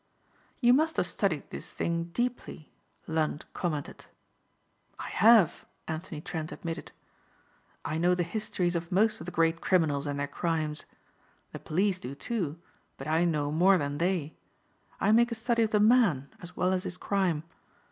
"You must have studied this thing deeply," Lund commented. "I have," Anthony Trent admitted; "I know the histories of most of the great criminals and their crimes. The police do too, but I know more than they. I make a study of the man as well as his crime.